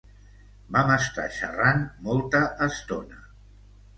Vam estar xerrant molta estona.